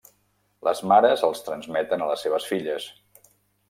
Les mares els transmeten a les seves filles.